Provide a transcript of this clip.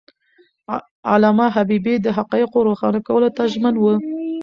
علامه حبيبي د حقایقو روښانه کولو ته ژمن و.